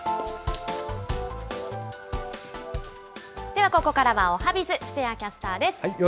ではここからは、おはＢｉｚ、布施谷キャスターです。